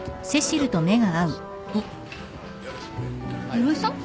室井さん？